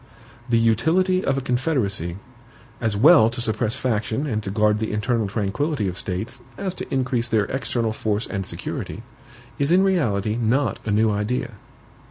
The utility of a Confederacy, as well to suppress faction and to guard the internal tranquillity of States, as to increase their external force and security, is in reality not a new idea.